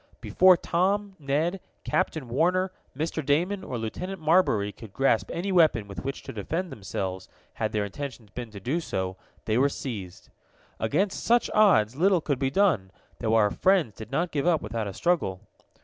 Before Tom, Ned, Captain Warner, Mr. Damon or Lieutenant Marbury could grasp any weapon with which to defend themselves, had their intentions been to do so, they were seized. Against such odds little could be done, though our friends did not give up without a struggle.